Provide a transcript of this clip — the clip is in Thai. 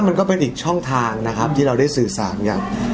ผมนะมันก็เป็นอีกช่องทางนะครับที่เรายังได้สื่อสาร